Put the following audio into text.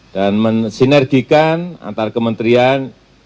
dan mensinergikan antar kementerian